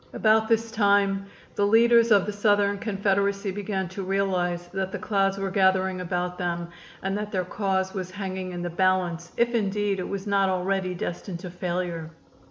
About this time the leaders of the Southern Confederacy began to realize that the clouds were gathering about them and that their cause was hanging in the balance, if indeed it was not already destined to failure.